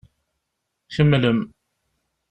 Kemmlem.